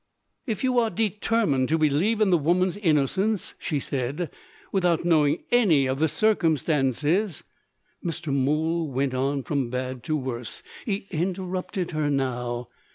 "If you are determined to believe in the woman's innocence," she said, "without knowing any of the circumstances " Mr. Mool went on from bad to worse: he interrupted her now.